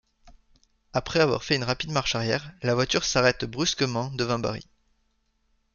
Après avoir fait une rapide marche arrière, la voiture s'arrête brusquement devant Barry.